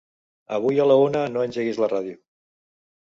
Avui a la una no engeguis la ràdio.